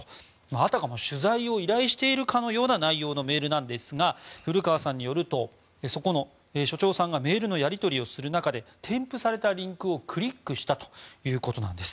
あたかも取材を依頼しているかのような内容のメールなんですが古川さんによるとそこの所長さんがメールのやり取りをする中で添付されたリンクをクリックしたということなんです。